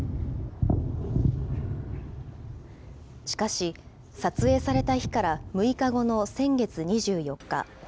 しかし、撮影された日から６日後の先月２４日。